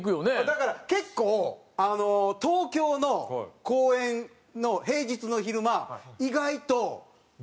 だから結構あの東京の公園の平日の昼間意外と。